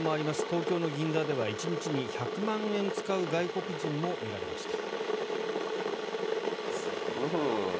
東京の銀座では１日に１００万円使う外国人も見られました。